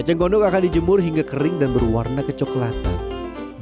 eceng gondok akan dijemur hingga kering dan berwarna kecoklatan